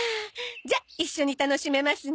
じゃ一緒に楽しめますね。